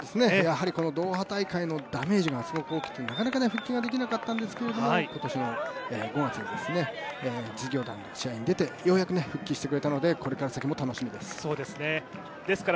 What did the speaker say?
やはりこのドーハ大会のダメージっていうのがすごく大きくて、なかなか復帰ができなかったんですけれども、今年は５月に事業団の試合に出てようやく復帰してくれたのでこれから先も楽しみです。